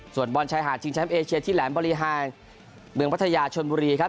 ส่วนบอลชายหาดชิงแชมป์เอเชียที่แหลมบริหารเมืองพัทยาชนบุรีครับ